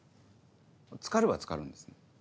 つかるはつかるんですね。